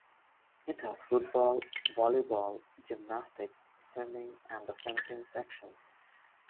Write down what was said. It has football, volleyball, gymnastics, swimming and fencing sections.